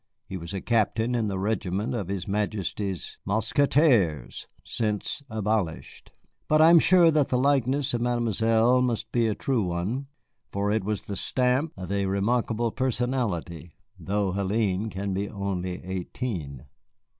He was a captain in a regiment of his Majesty's Mousquetaires, since abolished. But I am sure that the likeness of Mademoiselle must be a true one, for it has the stamp of a remarkable personality, though Hélène can be only eighteen.